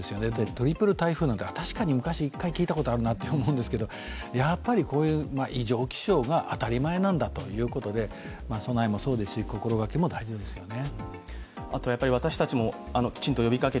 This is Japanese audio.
トリプル台風なんて確かに昔、１回聞いたことがあるなって思うんですけど、こういう異常気象が当たり前なんだということで、備えもそうですし、心掛けも大事ですね。